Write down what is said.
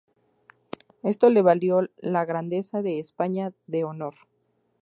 Esto le valió la Grandeza de España de Honor.